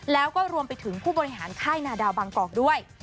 แล้วก็รวมไปถึงผู้บริหารค่ายนาดาวบางกอกด้วย